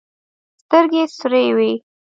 سترګې سورې وې.